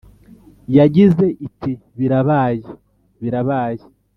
yagize iti “birabaye, birabaye.